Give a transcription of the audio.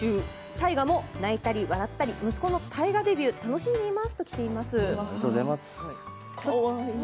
大河も泣いたり笑ったり息子の大河デビュー楽しんでいますときています。